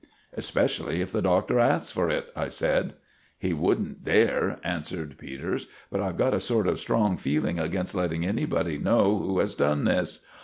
"Especially if the Doctor asks for it," I said. "He won't dare," answered Peters; "but I've got a sort of strong feeling against letting anybody know who has done this.